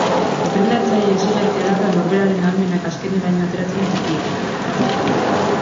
Entrenatzaile exigentea da eta norberaren ahalmenak azkeneraino ateratzen dakiena.